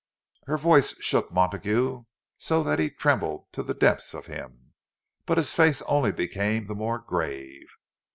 Her voice shook Montague, so that he trembled to the depths of him. But his face only became the more grave.